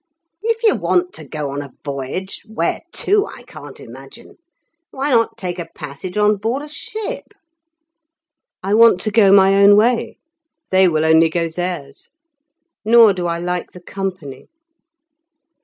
"If you want to go a voyage (where to, I can't imagine), why not take a passage on board a ship?" "I want to go my own way. They will only go theirs. Nor do I like the company."